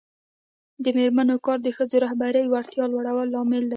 د میرمنو کار د ښځو رهبري وړتیا لوړولو لامل دی.